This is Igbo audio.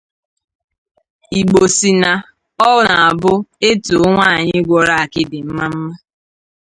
Igbo sị na ọ na-abụ e tòó nwaanyị gwọrọ akịdị mmamma